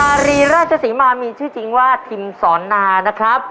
อารีราชศรีมามีชื่อจริงว่าทิมสอนนานะครับ